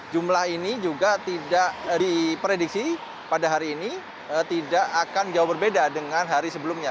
jumlah ini juga tidak diprediksi pada hari ini tidak akan jauh berbeda dengan hari sebelumnya